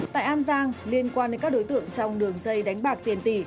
tại an giang liên quan đến các đối tượng trong đường dây đánh bạc tiền tỷ